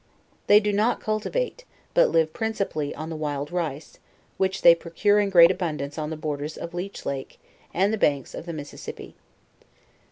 They do not cultivate, but live principally on the wiid rice, which they procure in great abundance on the borders of Leach Lake and the banks of the Mississippi.